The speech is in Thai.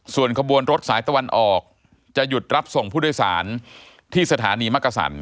ส่วนขบวนรถสายตะวันออกจะหยุดรับส่งผู้โดยสารที่สถานีมักกษัน